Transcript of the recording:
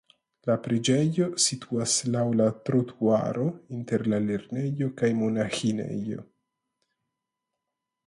La preĝejo situas laŭ la trotuaro inter la lernejo kaj monaĥinejo.